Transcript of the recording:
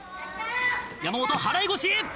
山本払腰！